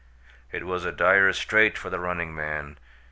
It was a dire strait for the running man.